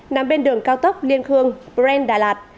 nằm bên đường cao tốc liên khương brand đà lạt